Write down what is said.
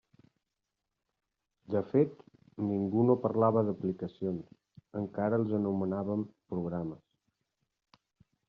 De fet, ningú no parlava d'aplicacions: encara els anomenàvem programes.